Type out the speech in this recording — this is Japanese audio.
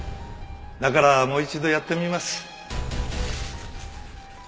だからもう一度やってみます。